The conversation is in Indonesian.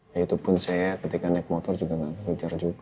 ya itu pun saya ketika naik motor juga nggak ngejar juga